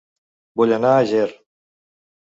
Vull anar a Ger